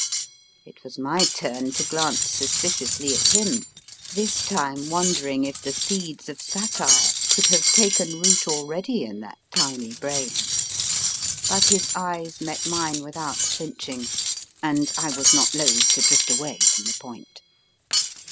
It was my turn to glance suspiciously at him, this time wondering if the seeds of satire could have taken root already in that tiny brain. But his eyes met mine without flinching, and I was not loath to drift away from the point.